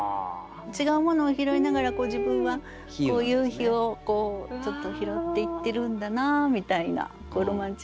違うものを拾いながら自分は夕陽をちょっと拾っていってるんだなみたいな。